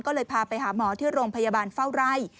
ก็เลยพาไปหาหมอที่โรงพยาบาลเฝ้าไร่